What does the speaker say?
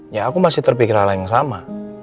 ya aku masih terpikir hal yang sama